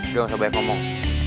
udah gak usah banyak ngomong